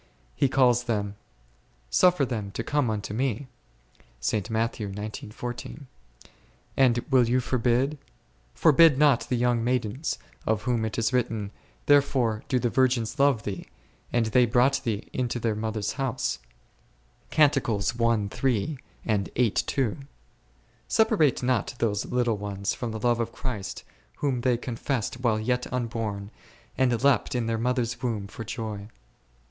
He calls them ; Suffer them to come unto Me 1 ; and will you forbid ? Forbid not the young maidens, of whom it is written, There fore do the virgins love Thee, and they brought Thee into their mother s house 11 . Separate not those little ones from the love of Christ, whom they confessed while yet unborn, and leapt in their mother's womb for joy.